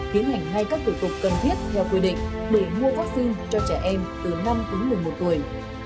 tiến hành ngay các thủ tục cần thiết theo quy định để mua vaccine cho trẻ em từ năm đến một mươi một tuổi